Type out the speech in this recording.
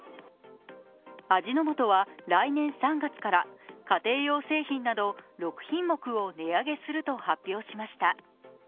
味の素は来年３月から家庭用製品など６品目を値上げすると発表しました。